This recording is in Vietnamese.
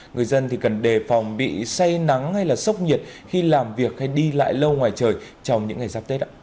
người dân thì cần đề phòng bị say nắng hay là sốc nhiệt khi làm việc hay đi lại lâu ngoài trời trong những ngày giáp tết ạ